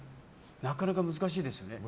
なかなか難しいですよね。